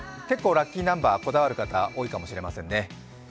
結構ラッキーナンバーこだわる方多いかもしれませんね。